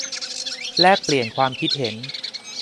แลกเปลี่ยนความคิดเห็น